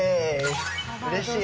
うれしい！